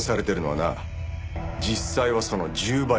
実際はその１０倍だ。